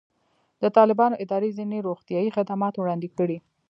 د طالبانو ادارې ځینې روغتیایي خدمات وړاندې کړي.